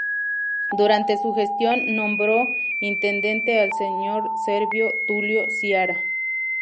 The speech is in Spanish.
Durante su gestión nombró intendente al Sr. Servio Tulio Ciara.